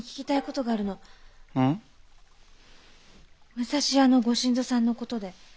武蔵屋のご新造さんの事で。